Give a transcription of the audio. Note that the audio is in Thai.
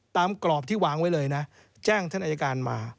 กรอบที่วางไว้เลยนะแจ้งท่านอายการมา